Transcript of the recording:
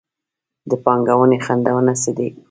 د پانګونې خنډونه څه دي؟